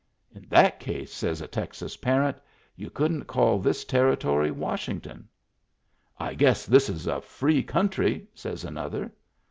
"In that case," says a Texas parent, "you couldn't call this territory Washington." " I guess this is a free country," says another.